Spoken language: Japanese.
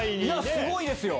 すごいですよ！